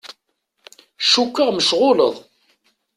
Cukkeɣ mecɣuleḍ.